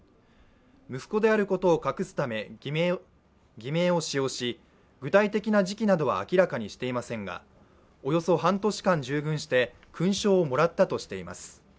息子であることを隠すため偽名を使用し、具体的な時期などは明らかにしていませんがおよそ半年間従軍して勲章をもらったとしています。